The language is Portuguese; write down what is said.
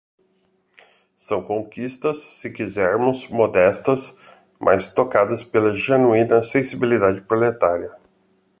São conquistas, se quisermos, modestas, mas tocadas pela genuína sensibilidade proletária.